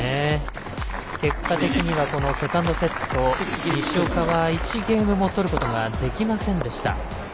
結果的にはセカンドセット西岡は１ゲームも取ることができませんでした。